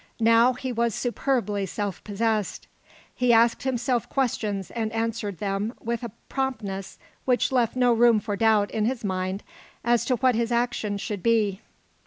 Now he was superbly self possessed. He asked himself questions and answered them with a promptness which left no room for doubt in his mind as to what his actions should be.